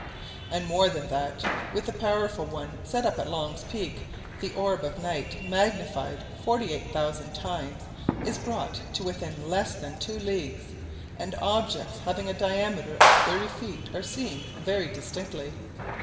And more than that, with the powerful one set up at Long's Peak, the orb of night, magnified 48,000 times, is brought to within less than two leagues, and objects having a diameter of thirty feet are seen very distinctly.